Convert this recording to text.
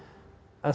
set next nya itu